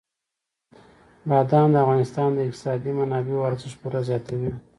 بادام د افغانستان د اقتصادي منابعو ارزښت پوره زیاتوي.